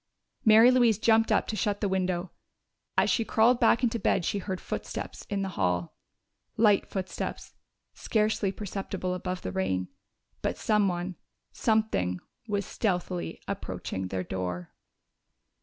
Mary Louise jumped up to shut the window. As she crawled back into bed she heard footsteps in the hall. Light footsteps, scarcely perceptible above the rain. But someone something was stealthily approaching their door!